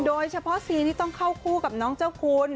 โดยเฉพาะซีนี่ต้องเข้าคู่กับน้องเจ้าคุณ